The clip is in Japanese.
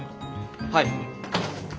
はい。